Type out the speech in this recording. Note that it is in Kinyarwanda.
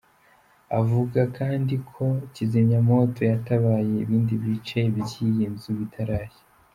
Avuga kandi ko kizimyamoto yatabaye ibindi bice by’iyi nzu bitarashya.